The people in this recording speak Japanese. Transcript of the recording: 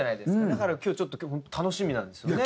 だから今日はちょっと楽しみなんですよね。